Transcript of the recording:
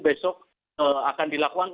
besok akan dilakukan